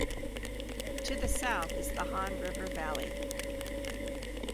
To the south is the Han River valley.